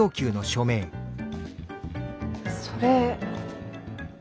それ。